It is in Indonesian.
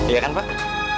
iya kan pak